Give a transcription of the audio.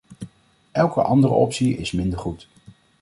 Elke andere optie is minder goed.